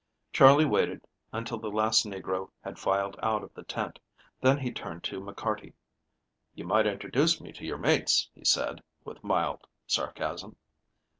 Charley waited until the last negro had filed out of the tent, then he turned to McCarty. "You might introduce me to your mates," he said, with mild sarcasm.